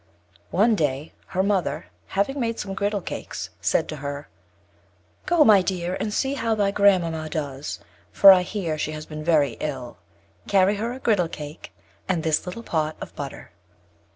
One day, her mother, having made some girdle cakes, said to her: "Go, my dear, and see how thy grand mamma does, for I hear she has been very ill, carry her a girdle cake, and this little pot of butter."